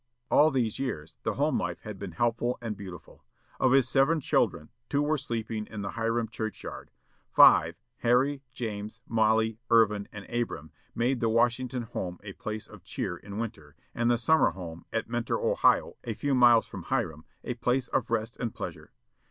All these years the home life had been helpful and beautiful. Of his seven children, two were sleeping in the Hiram church yard. Five, Harry, James, Mollie, Irvin, and Abram, made the Washington home a place of cheer in winter, and the summer home, at Mentor, Ohio, a few miles from Hiram, a place of rest and pleasure.